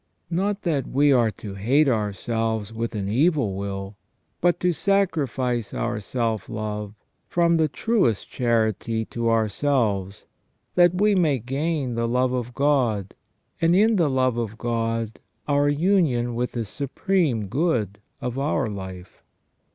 Not that we are to hate ourselves with an evil will, but to sacrifice our self love from the truest charity to our selves, that we may gain the love of God, and, in the love of God, our union with the supreme good of our life.